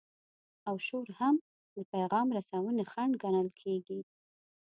او شور هم د پیغام رسونې خنډ ګڼل کیږي.